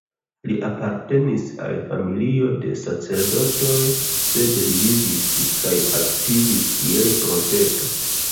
Li apartenis al familio de sacerdotoj; sed li vivis kaj aktivis kiel profeto.